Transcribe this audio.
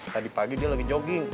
tadi pagi dia lagi jogging